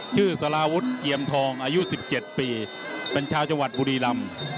สาราวุฒิเจียมทองอายุ๑๗ปีเป็นชาวจังหวัดบุรีรำ